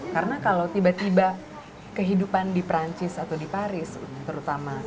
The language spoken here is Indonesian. karena kalau tiba tiba kehidupan di perancis atau di paris terutama